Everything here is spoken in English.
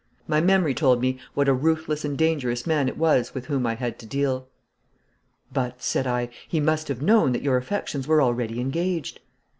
My memory told me what a ruthless and dangerous man it was with whom I had to deal. 'But,' said I, 'he must have known that your affections were already engaged.'